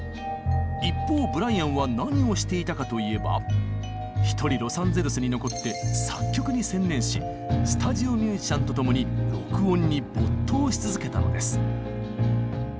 一方ブライアンは何をしていたかといえば一人ロサンゼルスに残って作曲に専念しスタジオミュージシャンと共に録音に没頭し続けたのです。